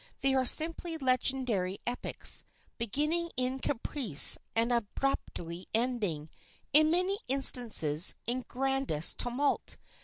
They are simply legendary epics, beginning in caprice and abruptly ending, in many instances, in grandest tumult.